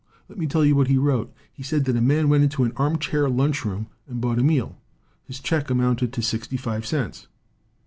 Let me tell you what he wrote. He said that a man went into an arm chair lunch room and bought a meal. His check amounted to sixty five cents!